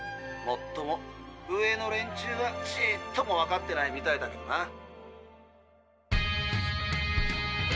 もっとも上の連中はちっともわかってないみたいだけどな。